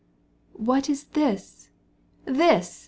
"What's this? this?"